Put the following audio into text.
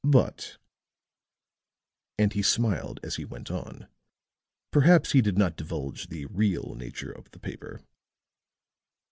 But," and he smiled as he went on, "perhaps he did not divulge the real nature of the paper."